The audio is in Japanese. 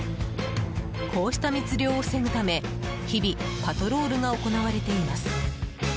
こうした密漁を防ぐため日々パトロールが行われています。